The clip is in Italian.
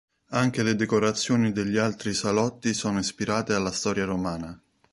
Anche le decorazioni degli altri salotti sono ispirate alla storia romana.